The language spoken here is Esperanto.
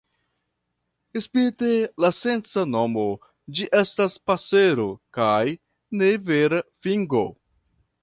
Spite la scienca nomo, ĝi estas pasero kaj ne vera fringo.